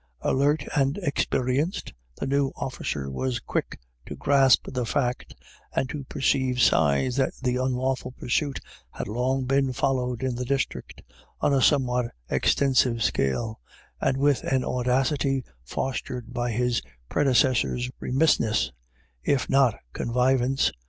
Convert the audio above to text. Alert and experienced, the new officer was quick to grasp the fact, and to perceive signs that the unlawful pursuit had long been followed in the district on a somewhat extensive scale, and with an audacity fostered by his predecessor's remissness, if not connivance.